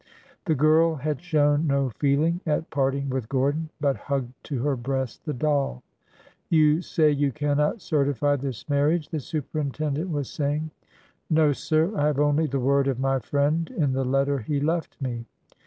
The girl had shown no feeling at parting with Gordon, but hugged to her breast the doll. You say you cannot certify this marriage?" the superintendent was saying. 345 346 ORDER NO. 11 No, sir. I have only the word of my friend in the letter he left me."